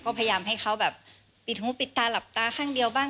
ก็พยายามให้เขาแบบปิดหูปิดตาหลับตาข้างเดียวบ้าง